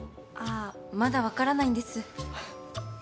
あまだ分からないんです。